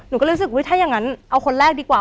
หนูก็เลยรู้สึกว่าถ้ายังงั้นเอาคนแรกดีกว่า